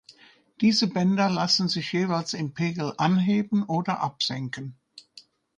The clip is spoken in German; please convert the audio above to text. Diese Bänder lassen sich jeweils im Pegel anheben oder absenken.